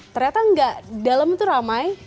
ternyata enggak dalam itu ramai